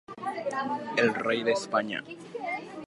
El Rey de España.